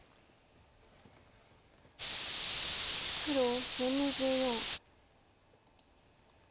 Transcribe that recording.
黒４の十四。